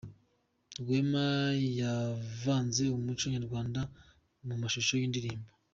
Rwema yavanze umuco nyarwanda mu mashusho y’indirimboye